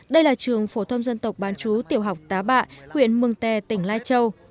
đây là trường phổ thông dân tộc bán chú tiểu học tá bạ huyện mừng tè tỉnh lai châu